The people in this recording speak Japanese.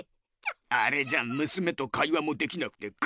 あれじゃむすめと会話もできなくて草！